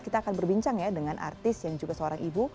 kita akan berbincang ya dengan artis yang juga seorang ibu